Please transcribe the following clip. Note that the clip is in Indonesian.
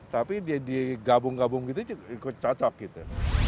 tapi dia gabung gabung gitu cocok gitu